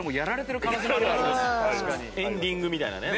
エンディングみたいなね。